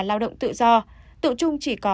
lao động tự do tụi chung chỉ có